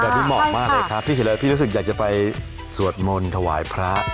วันนี้เหมาะมากเลยครับพี่เห็นแล้วพี่รู้สึกอยากจะไปสวดมนต์ถวายพระ